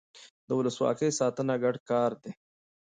د ولسواکۍ ساتنه ګډ کار دی